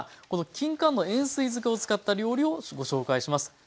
このきんかんの塩水漬けを使った料理をご紹介します。